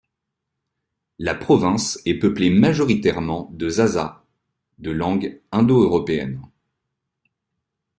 La province est peuplée majoritairement de Zazas de langue indo-européenne.